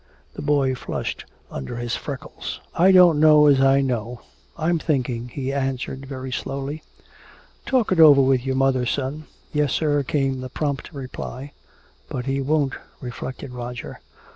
The boy flushed under his freckles. "I don't know as I know. I'm thinking," he answered very slowly. "Talk it over with your mother, son." "Yes, sir," came the prompt reply. "But he won't," reflected Roger.